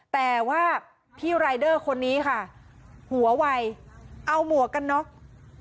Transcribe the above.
แต่ว่าพี่รายเดอร์คนนี้ค่ะหัววัยเอาหมวกกันน็อก